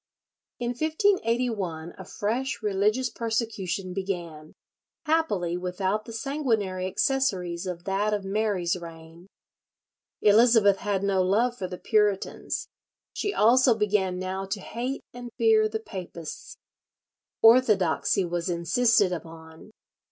In 1581 a fresh religious persecution began, happily without the sanguinary accessories of that of Mary's reign. Elizabeth had no love for the Puritans; she also began now to hate and fear the papists. Orthodoxy was insisted upon.